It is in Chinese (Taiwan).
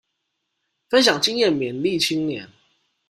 分享經驗勉勵青年